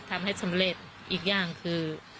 ทำให้สำเร็จอีกอย่างคือ